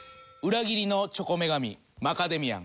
裏切りのチョコ女神マカデミアン。